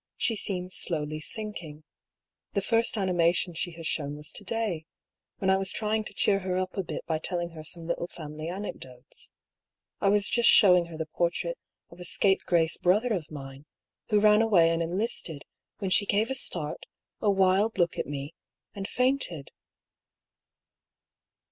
" She seems slowly sinking. The first animation she has shown was to day, when I was trying to cheer her up a bit by telling her some little family anecdotes. I was just showing her the portrait of a scapegrace brother of mine, who ran away and en listed, when she gave a start — a wild look at me — and fainted."